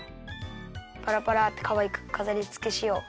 パラパラってかわいくかざりつけしよう。